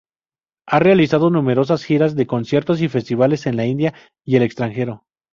Ha realizado numerosas giras de conciertos y festivales en la India y el extranjero.